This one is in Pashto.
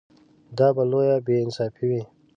دا به لویه بې انصافي وي.